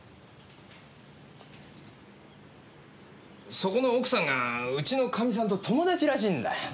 そこの奥さんがうちのかみさんと友達らしいんだ。